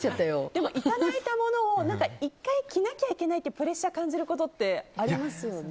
でも、いただいたものを１回着なきゃいけないってプレッシャーを感じることってありますよね。